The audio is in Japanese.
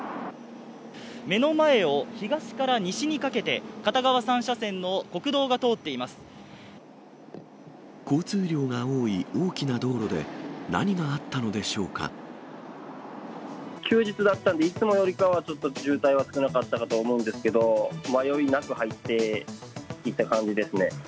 目の前を東から西にかけて、交通量が多い大きな道路で、休日だったんで、いつもよりかはちょっと渋滞は少なかったかと思うんですけど、迷いなく入っていった感じですね。